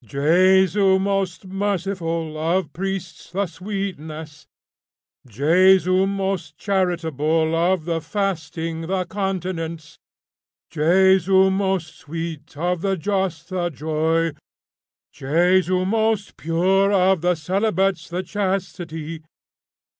Jesu most merciful, of priests the sweetness. Jesu most charitable, of the fasting the continence. Jesu most sweet, of the just the joy. Jesu most pure, of the celibates the chastity.